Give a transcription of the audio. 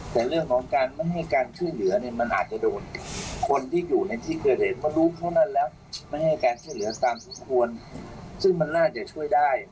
แต่เรื่องของการไม่ให้การช่วยเหลือเนี่ยมันอาจจะโดนคนที่อยู่ในที่เกิดเหตุเพราะรู้เท่านั้นแล้วไม่ให้การช่วยเหลือตามสมควรซึ่งมันน่าจะช่วยได้